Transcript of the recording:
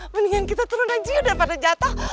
mendingan kita turun aja udah pada jatuh